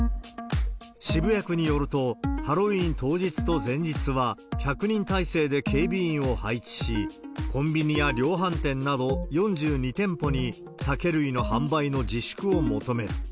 渋谷区によると、ハロウィーン当日と前日は、１００人態勢で警備員を配置し、コンビニや量販店など、４２店舗に酒類の販売の自粛を求める。